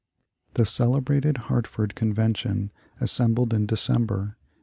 The celebrated Hartford Convention assembled in December, 1814.